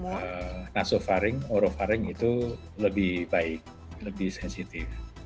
misalnya katakan yang pcr nasofaring atau orofaring itu lebih baik lebih sensitif